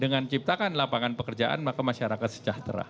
dengan ciptakan lapangan pekerjaan maka masyarakat sejahtera